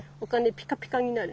ピカピカになる。